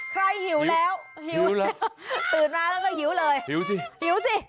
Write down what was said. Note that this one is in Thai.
หิวแล้วหิวเลยตื่นมาแล้วก็หิวเลยหิวสิหิวสิ